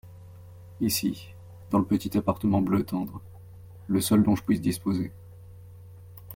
Ici, dans le petit appartement bleu tendre… le seul dont je puisse disposer…